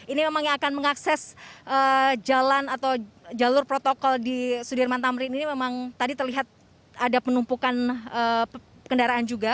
ini memang yang akan mengakses jalan atau jalur protokol di sudirman tamrin ini memang tadi terlihat ada penumpukan kendaraan juga